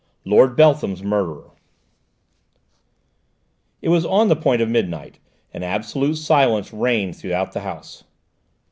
LORD BELTHAM'S MURDERER It was on the point of midnight, and absolute stillness reigned throughout the house.